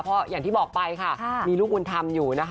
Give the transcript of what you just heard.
เพราะอย่างที่บอกไปมีลูกมุ่นธรรมอยู่